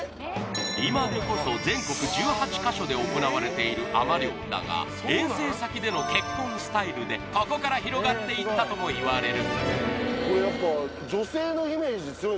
今でこそ全国１８カ所で行われている海女漁だが遠征先での結婚スタイルでここから広がっていったともいわれる